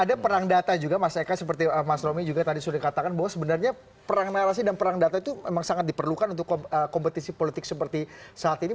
ada perang data juga mas eka seperti mas romy juga tadi sudah katakan bahwa sebenarnya perang narasi dan perang data itu memang sangat diperlukan untuk kompetisi politik seperti saat ini